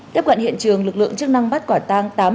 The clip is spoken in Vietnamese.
tiếp cận hiện trường lực lượng chức năng bắt quả tang